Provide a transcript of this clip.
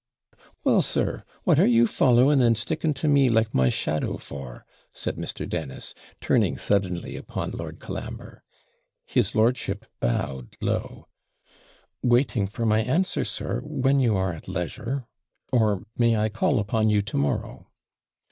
'Well, sir, what are you following and sticking to me, like my shadow, for?' said Mr. Dennis, turning suddenly upon Lord Colambre. His lordship bowed low. 'Waiting for my answer, sir, when you are at leisure. Or, may I call upon you tomorrow?'